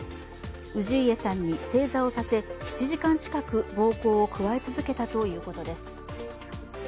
氏家さんに正座をさせ７時間近く暴行を加え続けたということです。